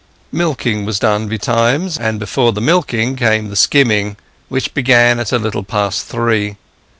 Milking was done betimes; and before the milking came the skimming, which began at a little past three.